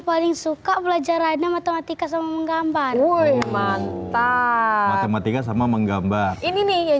paling suka belajar rada matematika sama menggambar mantap matematika sama menggambar ini nih yang